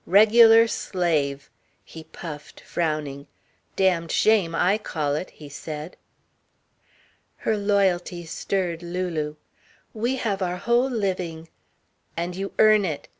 Regular slave." He puffed, frowning. "Damned shame, I call it," he said. Her loyalty stirred Lulu. "We have our whole living " "And you earn it.